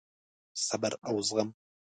صبر او زغم: